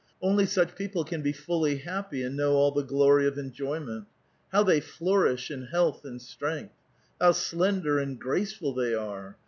Only such people can be fully happy ' and know all the glory of enjoyment. How they flourish in health and strength ! how slender and graceful they are